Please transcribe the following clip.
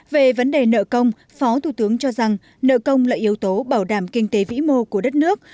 về vấn đề nợ công phó thủ tướng cho rằng nợ công là yếu tố bảo đảm kinh tế vĩ mô của đất nước